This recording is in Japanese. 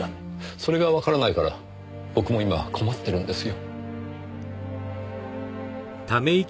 それがわからないから僕も今困ってるんですよ。